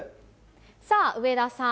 さあ、上田さん。